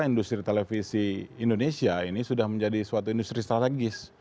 industri televisi indonesia ini sudah menjadi suatu industri strategis